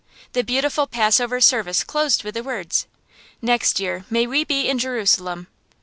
The beautiful Passover service closed with the words, "Next year, may we be in Jerusalem."